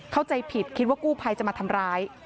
เข้าใจผิดคิดว่ากู้ภัยจะมาทำร้าย